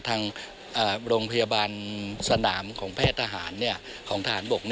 ทางโรงพยาบาลสนามของแพทย์ทหารของทหารบก